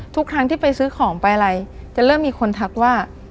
ทุกครั้งที่ไปซื้อของไปอะไรจะเริ่มมีคนทักว่า